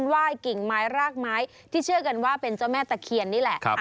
ไหว้กิ่งไม้รากไม้ที่เชื่อกันว่าเป็นเจ้าแม่ตะเคียนนี่แหละ